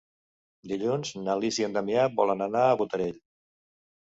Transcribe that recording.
Dilluns na Lis i en Damià volen anar a Botarell.